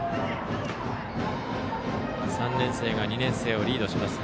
３年生が２年生をリードします。